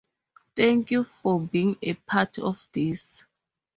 Thank you for being a part of this